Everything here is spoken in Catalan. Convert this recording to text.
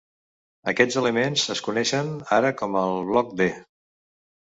Aquests elements es coneixen ara com el 'bloc d'.